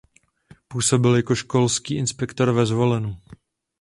Působil jako školský inspektor ve Zvolenu.